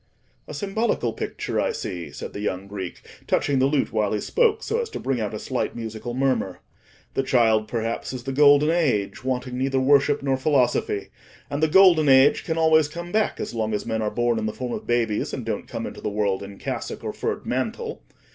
"A symbolical picture, I see," said the young Greek, touching the lute while he spoke, so as to bring out a slight musical murmur. "The child, perhaps, is the Golden Age, wanting neither worship nor philosophy. And the Golden Age can always come back as long as men are born in the form of babies, and don't come into the world in cassock or furred mantle.